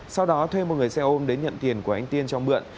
sau đó thuê một người xe ôm đến nhận tiền của anh tiên cho mượn